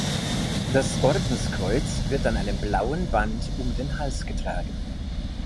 Das Ordenskreuz wird an einem blauen Band um den Hals getragen.